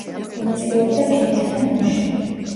მონაწილეობდა ფინეთთან ომში.